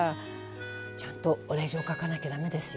ちゃんとお礼状書かなきゃ駄目ですよ。